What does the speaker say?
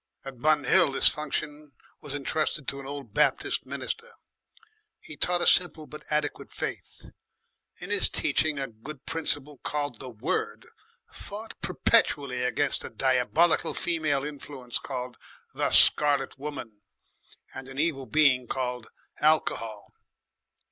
At Bun Hill this function was entrusted to an old Baptist minister. He taught a simple but adequate faith. In his teaching a good principle called the Word fought perpetually against a diabolical female influence called the Scarlet Woman and an evil being called Alcohol.